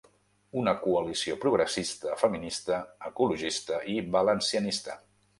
Una coalició progressista, feminista, ecologista i valencianista.